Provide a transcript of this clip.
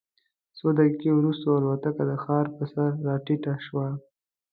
څو دقیقې وروسته الوتکه د ښار پر سر راټیټه شوه.